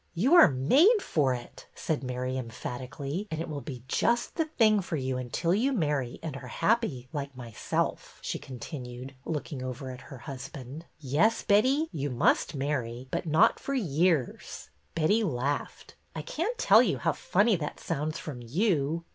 You are made for it," said Mary, emphati cally, and it will be just the thing for you until 252 BETTY BAIRD'S VENTURES you marry and are happy, like myself," she con tinued, looking over at her husband. Yes, Betty, you must marry, but not for years." Betty laughed. I can't tell you how funny that sounds from you."